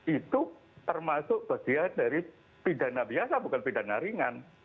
itu termasuk bagian dari pidana biasa bukan pidana ringan